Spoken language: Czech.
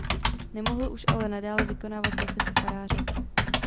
Nemohl už ale nadále vykonávat profesi faráře.